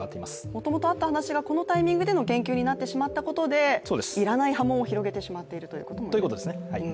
もともとあった話が、このタイミングでの言及になってしまったことでいらない波紋を広げてしまっているということですか？ということですね。